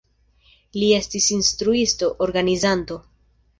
Li estis instruisto, organizanto.